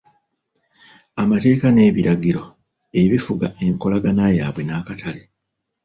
Amateeka n'ebiragiro ebifuga enkolagana yaabwe n'akatale.